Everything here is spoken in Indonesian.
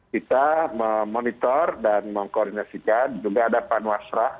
kita memonitor dan mengkoordinasikan juga ada panwasra